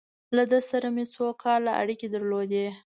له ده سره مې څو کاله اړیکې درلودې.